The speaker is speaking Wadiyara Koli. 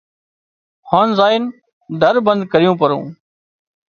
هانَ زائينَ در بند ڪريون پرون